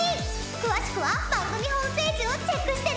詳しくは番組ホームページをチェックしてね。